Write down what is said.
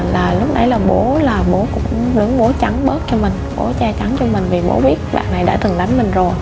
lúc nãy là bố cũng đứng bố trắng bớt cho mình bố che trắng cho mình vì bố biết bạn này đã thường đánh mình rồi